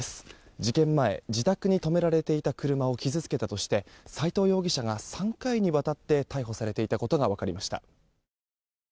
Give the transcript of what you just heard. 事件前、自宅に止められていた車を傷つけられていたとして斎藤容疑者が３回にわたって逮捕されていたことが分かりました。